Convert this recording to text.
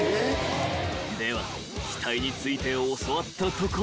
［では機体について教わったところで］